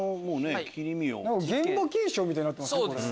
現場検証みたいになってますね。